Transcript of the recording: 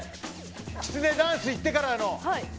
きつねダンスにいってからの。